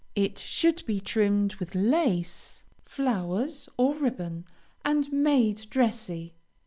It should be trimmed with lace, flowers, or ribbon, and made dressy.